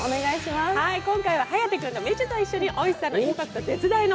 今回は颯君とみちゅと一緒においしさとインパクトは絶大の